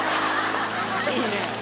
「いいね」